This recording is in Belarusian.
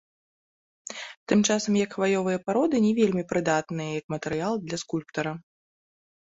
Тым часам як хваёвыя пароды не вельмі прыдатныя як матэрыял для скульптара.